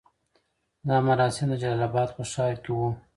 دا مراسم د جلال اباد په ښار کې وو.